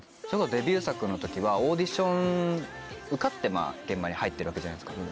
デビュー作の時はオーディション受かって現場に入ってるわけじゃないですか。